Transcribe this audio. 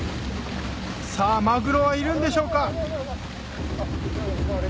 さぁマグロはいるんでしょうか？